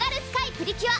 プリキュア